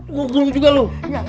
nggung juga lu